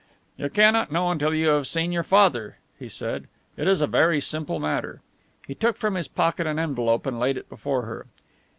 "You cannot know until you have seen your father," he said. "It is a very simple matter." He took from his pocket an envelope and laid it before her.